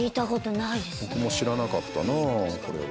僕も知らなかったな、これは。